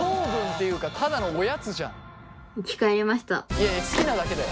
いやいや好きなだけだよ。